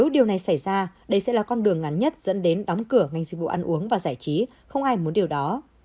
đây sẽ là con đường ngắn nhất dẫn đến đóng cửa ngành dịch vụ ăn uống và giải trí không ai muốn điều đó